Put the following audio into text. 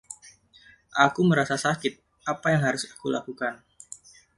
Aku merasa sakit, apa yang harus aku lakukan?